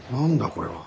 これは。